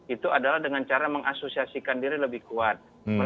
itu adalah dengan cara mengasosiasikan diri lebih kuat